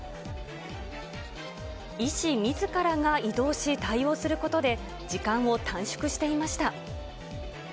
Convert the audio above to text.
医師みずからが移動し、対応することで、時間を短縮していました。